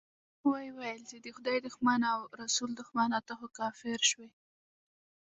ويې ويل چې خدای دښمنه او رسول دښمنه، ته خو کافر شوې.